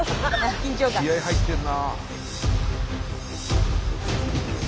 気合い入ってるな。